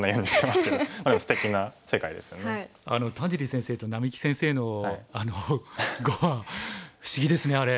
田尻先生と並木先生の碁は不思議ですねあれ。